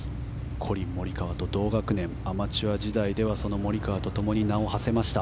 コリン・モリカワと同学年アマチュア時代はモリカワと共に名を馳せました。